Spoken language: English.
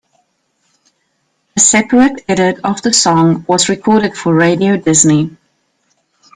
A separate edit of the song was recorded for Radio Disney.